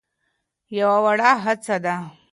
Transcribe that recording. يوه وړه هڅه ده.